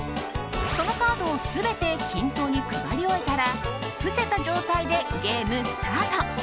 そのカードを全て均等に配り終えたら伏せた状態でゲームスタート！